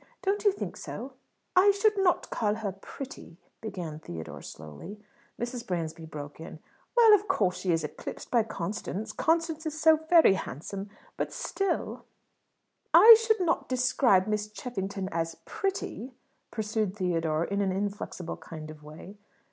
Don't you think so?" "I should not call her pretty " began Theodore slowly. Mrs. Bransby broke in: "Well, of course, she is eclipsed by Constance. Constance is so very handsome. But still " "I should not describe Miss Cheffington as pretty," pursued Theodore, in an inflexible kind of way.